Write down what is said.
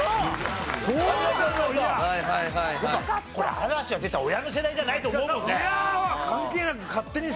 嵐は絶対親の世代じゃないと思うもんね。